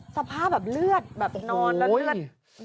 สภาพแบบเลือดแบบนอน